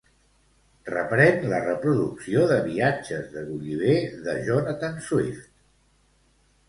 Reprèn la reproducció de "Viatges de Gulliver" de Jonathan Swift.